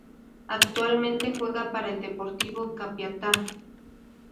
Actualmente juega para el Deportivo Capiatá.